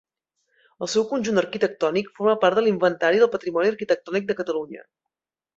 El seu conjunt arquitectònic forma part de l'Inventari del Patrimoni Arquitectònic de Catalunya.